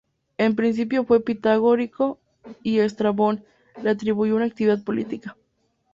En principio fue pitagórico y Estrabón le atribuyó una actividad política.